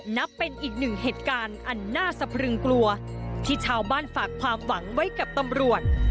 นับเป็นอีกหนึ่งเหตุการณ์อันน่าสะพรึงกลัวที่ชาวบ้านฝากความหวังไว้กับตำรวจ